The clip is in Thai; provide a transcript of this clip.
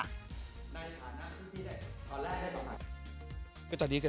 ในฐานะที่พี่ได้ตอนแรกได้ต่อมา